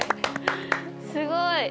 すごい！